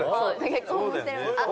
結婚もしてる。